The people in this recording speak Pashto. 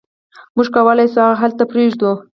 موږ کولی شو هغه هلته پریږدو